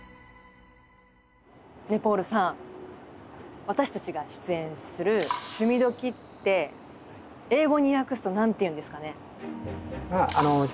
ねぇポールさん私たちが出演する「趣味どきっ！」って英語に訳すと何て言うんですかね？